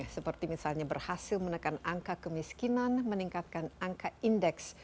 seperti misalnya berhasil menekan angka kemiskinan meningkatkan angka indeks